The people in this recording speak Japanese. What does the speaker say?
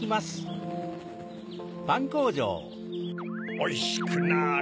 おいしくなれ。